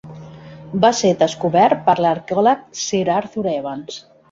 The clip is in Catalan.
Va ser descobert per l'arqueòleg Sir Arthur Evans.